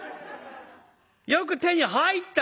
よく手に入ったね。